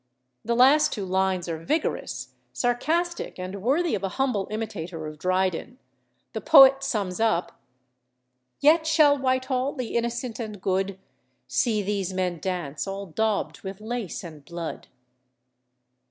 The last two lines are vigorous, sarcastic, and worthy of a humble imitator of Dryden. The poet sums up "Yet shall Whitehall, the innocent and good, See these men dance, all daubed with lace and blood."